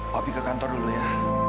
tapi ke kantor dulu ya